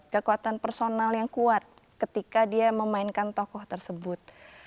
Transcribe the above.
kekuatan personal yang kuat ketika dia memainkan tokoh tersebut